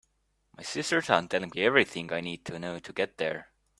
My sisters aren’t telling me everything I need to know to get there.